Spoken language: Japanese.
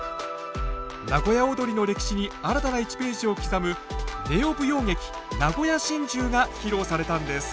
名古屋をどりの歴史に新たな１ページを刻むＮＥＯ舞踊劇「名古屋心中」が披露されたんです。